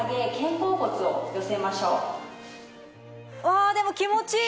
あでも気持ちいい！